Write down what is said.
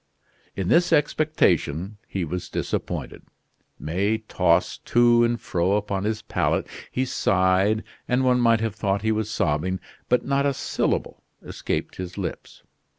In this expectation he was disappointed. May tossed to and fro upon his pallet; he sighed, and one might have thought he was sobbing, but not a syllable escaped his lips.